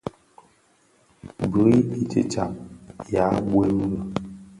Bui titsàb yaà bwem bi.